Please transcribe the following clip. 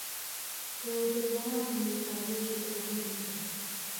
که دلبران یې تابع شي عجب نه دی.